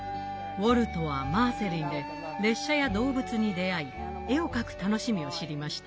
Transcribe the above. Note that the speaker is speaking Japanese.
ウォルトはマーセリンで列車や動物に出会い絵を描く楽しみを知りました。